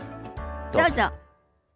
どうぞ。